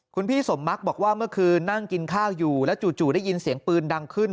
คุณพี่สมมักบอกว่าเมื่อคืนนั่งกินข้าวอยู่แล้วจู่ได้ยินเสียงปืนดังขึ้น